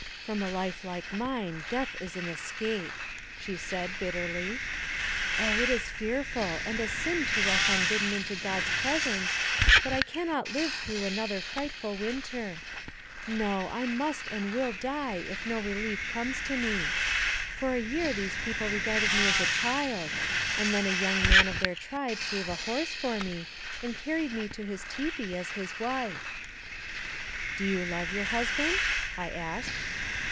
" From a life like mine death is an escape," she said, bitterly. AMONG THE SIOUX INDIANS. 115 " Oh ! it is fearful ! and a sin to rush unbidden into God's presence, but I can not live through another frightful winter. "No, I must and will die if no relief comes to me. For a year these people regarded me as a child, and then a young man of their tribe gave a horse for me, and carried me to his tipi as his wife." " Do you love your husband ?" I asked.